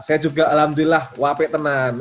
saya juga alhamdulillah wapetenan